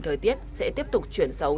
thời tiết sẽ tiếp tục chuyển xấu